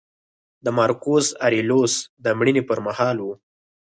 د مارکوس اریلیوس د مړینې پرمهال و